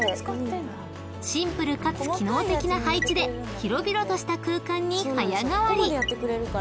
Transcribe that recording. ［シンプルかつ機能的な配置で広々とした空間に早変わり］